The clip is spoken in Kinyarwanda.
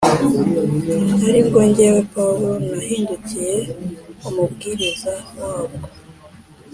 ari bwo jyewe Pawulo nahindukiye umubwiriza wabwo